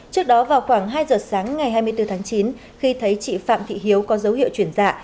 trước đó vào khoảng hai giờ sáng ngày hai mươi bốn tháng chín khi thấy chị phạm thị hiếu có dấu hiệu chuyển dạ